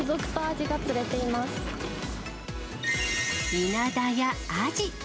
イナダやアジ。